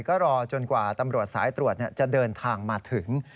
ก็รอจนกว่าตำรวจสายตรวจจะเดินทางมาถึง